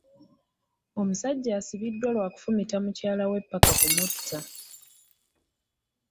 Omusajja asibiddwa lwa kufumita mukyala we paka kumutta.